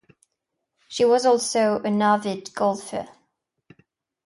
She was also an avid golfer.